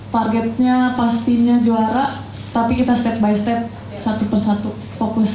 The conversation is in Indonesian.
targetnya pastinya juara tapi kita step by step satu per satu fokus match